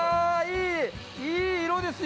いい色ですよ！